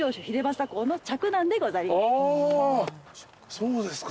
そうですか。